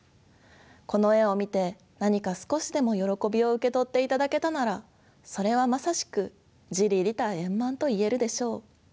この絵を見て何か少しでも「よろこび」を受け取っていただけたならそれはまさしく「自利利他円満」といえるでしょう。